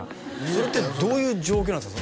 それってどういう状況なんですか？